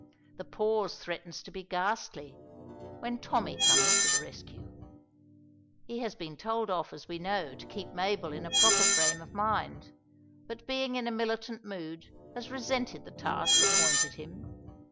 The pause threatens to be ghastly, when Tommy comes to the rescue. He had been told off as we know to keep Mabel in a proper frame of mind, but being in a militant mood has resented the task appointed him.